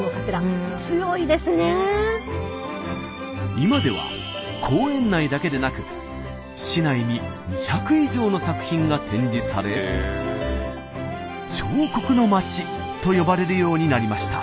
今では公園内だけでなく市内に２００以上の作品が展示され「彫刻の街」と呼ばれるようになりました。